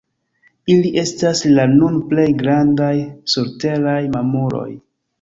Ili estas la nun plej grandaj surteraj mamuloj.